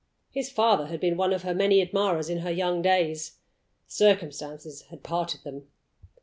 His father had been one of her many admirers in her young days. Circumstances had parted them.